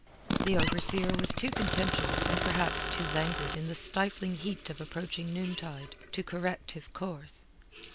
The overseer was too contemptuous and perhaps too languid in the stifling heat of approaching noontide to correct his course.